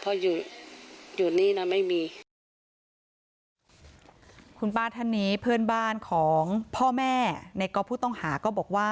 เพื่อนบ้านของพ่อแม่ในกอล์ฟผู้ต้องหาก็บอกว่า